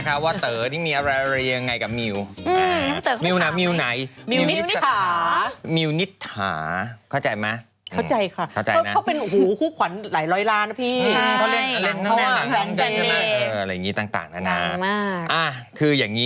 เขาเล่นละครเล่นนางดีกันบ้าง